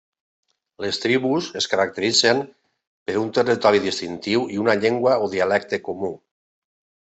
Les tribus es caracteritzen per un territori distintiu i una llengua o dialecte comú.